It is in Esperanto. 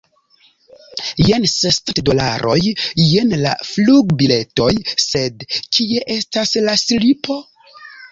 Jen sescent dolaroj, jen la flugbiletoj, sed kie estas la slipo?